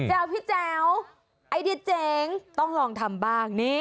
แจ๋วพี่แจ๋วไอ้เด็ดเจ๋งต้องลองทำบ้างนี่